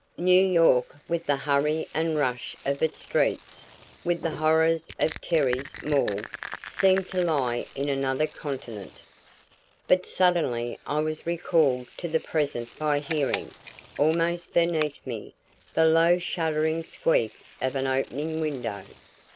New York with the hurry and rush of its streets, with the horrors of Terry's morgue, seemed to lie in another continent. But suddenly I was recalled to the present by hearing, almost beneath me, the low shuddering squeak of an opening window.